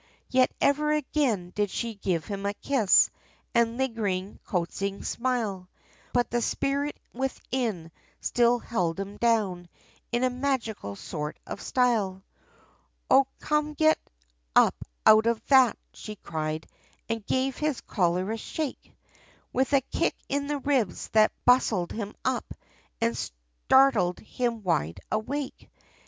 Yet ever again, did she give him a kiss, And a lingering, coaxing smile, But the spirit within, still held him down, In a magical sort of style! "O come get up out of that!" she cried, And gave his collar a shake, With a kick in the ribs, that bustled him up, And startled him wide awake!